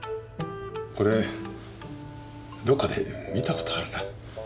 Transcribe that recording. これどっかで見たことあるな。